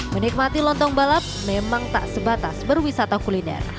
menikmati lontong balap memang tak sebatas berwisata kuliner